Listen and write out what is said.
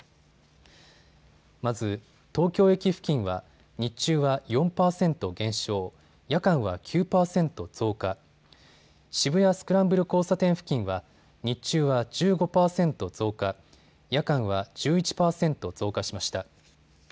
まず、東京駅付近は日中は４％減少、夜間は９％増加、渋谷スクランブル交差点付近は日中は１５％増加、夜間は１１％増加しました。